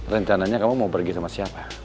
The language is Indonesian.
rencananya kamu mau pergi sama siapa